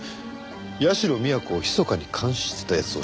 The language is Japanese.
社美彌子をひそかに監視してた奴を始末した。